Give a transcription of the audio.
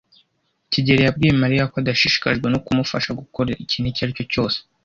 kigeli yabwiye Mariya ko adashishikajwe no kumufasha gukora ikintu icyo ari cyo cyose.